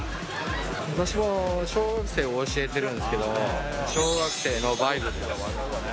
私も小学生を教えてるんですけど、小学生のバイブル。